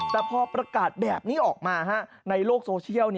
แต่พอประกาศแบบนี้ออกมาในโลกโซเชียล